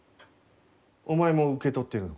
お前も受け取っているのか？